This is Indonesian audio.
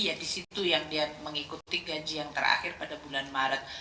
ya di situ yang dia mengikuti gaji yang terakhir pada bulan maret